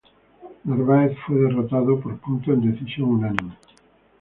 Narváez fue derrotado por puntos en decisión unánime.